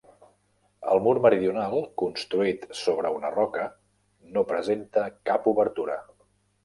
El mur meridional, construït sobre una roca, no presenta cap obertura.